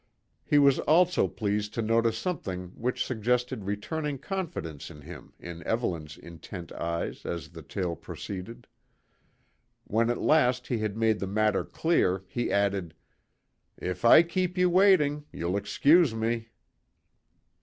He was also pleased to notice something which suggested returning confidence in him in Evelyn's intent eyes as the tale proceeded. When at last he had made the matter clear, he added: "If I keep you waiting, you'll excuse me."